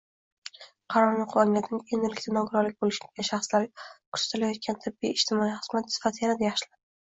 Qarorni oʻqib angladimki, endilikda nogironligi boʻlgan shaxslarga koʻrsatilayotgan tibbiy-ijtimoiy xizmat sifati yanada yaxshilanadi.